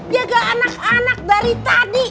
jaga anak anak dari tadi